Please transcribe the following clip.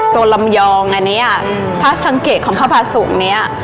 ตัวลำยองอันนี้ถ้าสังเกตของพระพระสูงนี้